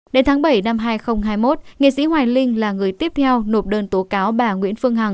đến tháng bảy năm hai nghìn hai mươi một nghệ sĩ hoài linh là người tiếp theo nộp đơn tố cáo bà nguyễn phương hằng